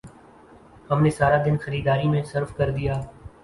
ہم نے سارا دن خریداری میں صرف کر دیا